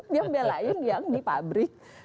dia belain yang di pabrik